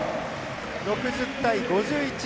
６０対５１。